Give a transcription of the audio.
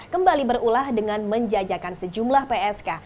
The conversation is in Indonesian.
kembali berulah dengan menjajakan sejumlah psk